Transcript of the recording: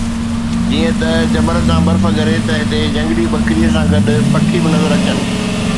جيئن ئي جبل تان برف ڳري ته هتي جهنگلي ٻڪريءَ سان گڏ پکي به نظر اچن.